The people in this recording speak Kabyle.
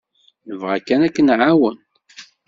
Nebɣa kan ad k-nεawen.